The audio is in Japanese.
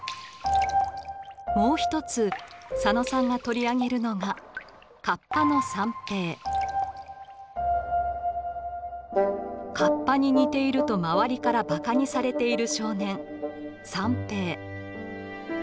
もう一つ佐野さんが取り上げるのが河童に似ていると周りからバカにされている少年三平。